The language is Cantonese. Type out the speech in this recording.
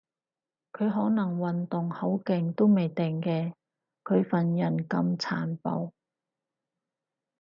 佢可能運動好勁都未定嘅，佢份人咁殘暴